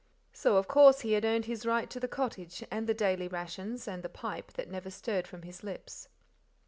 So, of course, he had earned his right to the cottage and the daily rations and the pipe that never stirred from his lips.